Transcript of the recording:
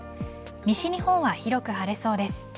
西日本は広く晴れそうです。